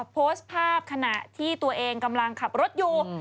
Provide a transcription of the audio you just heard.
โพสต์ภาพขณะที่ตัวเองกำลังขับรถอยู่